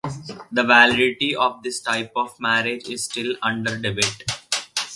The validity of this type of marriage is still under debate.